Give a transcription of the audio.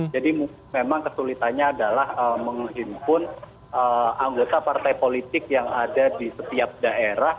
jadi memang kesulitanya adalah menghimpun anggota partai politik yang ada di setiap daerah